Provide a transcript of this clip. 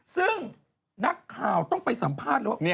ซึ่งนักข่าวต้องไปสัมภาษณ์หรือเปล่า